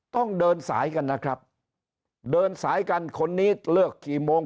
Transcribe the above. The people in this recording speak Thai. ต้องเดินสายกันนะครับเดินสายกันคนนี้เลิกกี่โมง